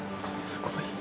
すごい。